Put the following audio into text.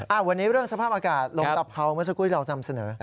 อ่าวันนี้เรื่องสภาพอากาศลมตะเพรานุก่อนฉันพูดเราทำเสนอ